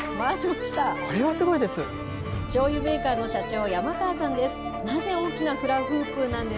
しょうゆメーカーの社長、山川さんです。